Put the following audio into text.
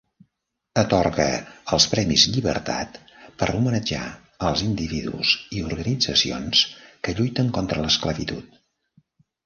Atorga el Premis Llibertat per homenatjar als individus i organitzacions que lluiten contra l'esclavitud.